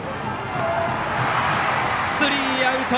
スリーアウト！